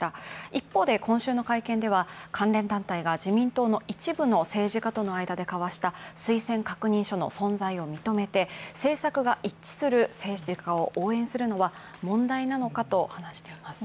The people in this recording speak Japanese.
一方で今週の会見では、関連団体が自民党の一部の政治家との間で交わした推薦確認書の存在を認めて、政策が一致する政治家を応援するのは問題なのかと話しています。